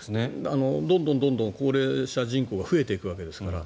どんどん高齢者人口が増えていくわけですから。